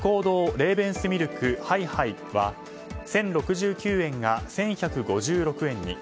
レーベンスミルクはいはいは１０６９円が１１５６円に。